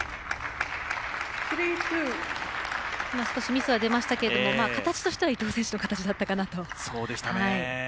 少しミスが出ましたけれども形としては伊藤選手の形だったかなと。